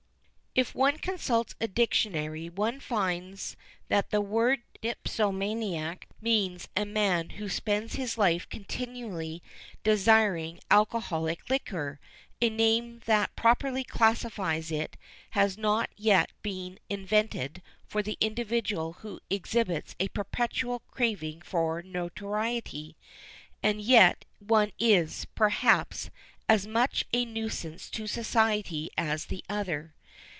* If one consults a dictionary one finds that the word dipsomaniac means a man who spends his life continually desiring alcoholic liquor; a name that properly classifies it has not yet been invented for the individual who exhibits a perpetual craving for notoriety, and yet one is, perhaps, as much a nuisance to society as the other.